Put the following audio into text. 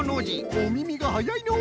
おみみがはやいのう！